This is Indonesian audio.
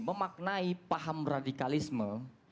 memaknai paham radikalisme